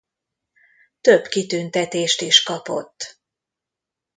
Több kitüntetést is kapott.